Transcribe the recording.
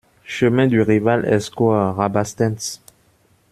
Chemin du Rival Escur, Rabastens